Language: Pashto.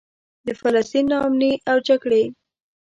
د فلسطین نا امني او جګړې.